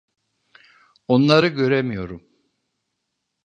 Onları göremiyorum.